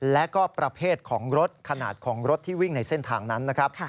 และก็ประเภทของรถขนาดของรถที่วิ่งในเส้นทางนั้นนะครับ